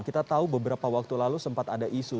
kita tahu beberapa waktu lalu sempat ada isu